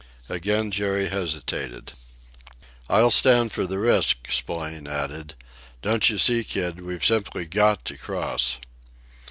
Again Jerry hesitated. "I'll stand for the risk," Spillane added. "Don't you see, kid, we've simply got to cross!"